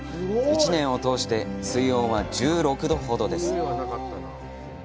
１年を通して水温は１６度ほどです。